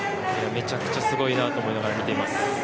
めちゃくちゃすごいなと思いながら見ています。